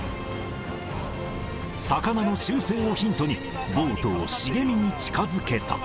魚の習性をヒントに、ボートを茂みに近づけた。